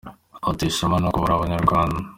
Batewe ishema no kuba ari abanyarwanda.